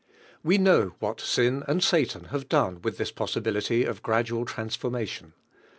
We know what sin and Sal an have done with til is possibility of gradual transfor mation.